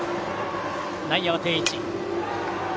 内野は定位置。